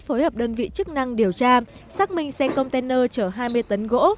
phối hợp đơn vị chức năng điều tra xác minh xe container chở hai mươi tấn gỗ